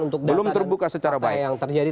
untuk data yang terjadi belum terbuka secara baik